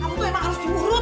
kamu tuh emang harus diurut